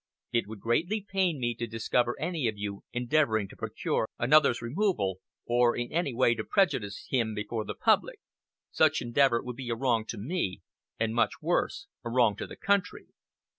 It would greatly pain me to discover any of you endeavoring to procure another's removal, or in any way to prejudice him before the public. Such endeavor would be a wrong to me, and much worse, a wrong to the country.